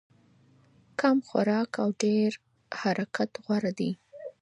کم خوراک او ډېر حرکت غوره دی.